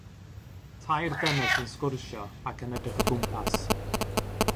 Tair dynes yn sgwrsio ac yn edrych o gwmpas.